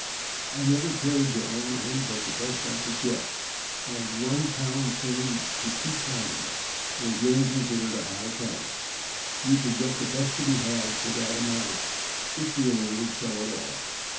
I never cared to own any but the best I could get, and £1 10s. to £2 was then considered a high price. You could get the best to be had for that amount, if the owner would sell at all.